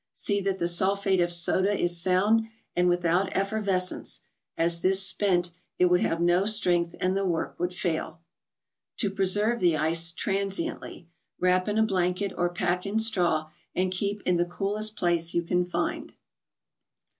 See that the sulphate of soda is sound and with¬ out effervescence, as this "spent," it would have no strength, and the work would fail. To Preserve the Ice, transiently : Wrap in a blanket, or pack in straw, and keep in the coolest place you can find.